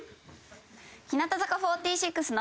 「日向坂４６の」。